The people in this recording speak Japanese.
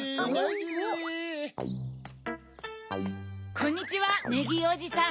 ・こんにちはネギーおじさん。